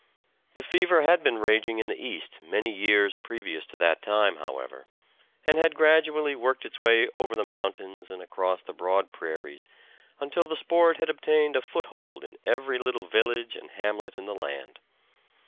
The fever had been raging in the East many years previous to that time, however, and had gradually worked its way over the mountains and across the broad prairies until the sport had obtained a foothold in every little village and hamlet in the land.